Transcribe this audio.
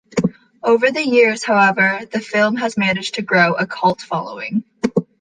Over the years however, the film has managed to grow a cult following.